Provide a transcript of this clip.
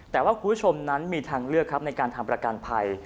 แต่ว่าคุณผู้ชมนั้นมีทางเลือกครับในการทำประกันภัย